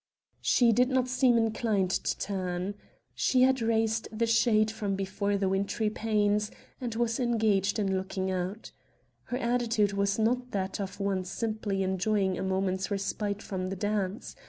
She did not seem inclined to turn. She had raised the shade from before the wintry panes and was engaged in looking out. Her attitude was not that of one simply enjoying a moment's respite from the dance.